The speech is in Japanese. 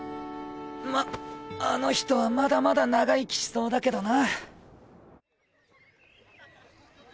まぁあの人はまだまだ長生きしそうだけどな。